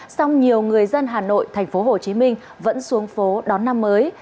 song nhiều người dân hà nội tp hcm vẫn xuống phố đón năm mới